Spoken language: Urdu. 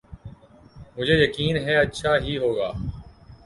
مجھے یقین ہے اچھا ہی ہو گا۔